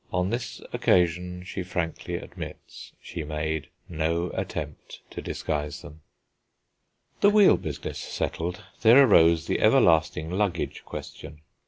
On this occasion, she frankly admits, she made no attempt to disguise them. The wheel business settled, there arose the ever lasting luggage question.